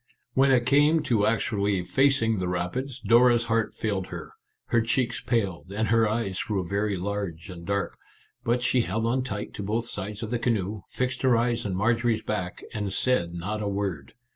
When it came to actually facing the rapids, Dora's heart failed her ; her cheeks paled, and her eyes grew very large and dark ; but she held on tight to both sides of the canoe, fixed her eyes on Marjorie's back, and said not a word.